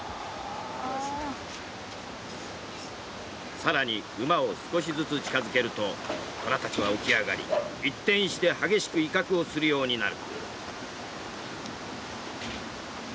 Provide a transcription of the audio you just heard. さらに馬を少しずつ近づけるとトラたちは起き上がり一転して激しく威嚇をするようになる。